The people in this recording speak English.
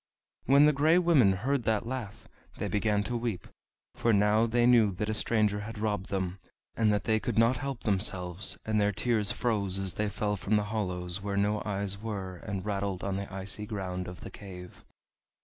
When the gray women heard that laugh they began to weep, for now they knew that a stranger had robbed them, and that they could not help themselves, and their tears froze as they fell from the hollows where no eyes were, and rattled on the icy ground of the cave.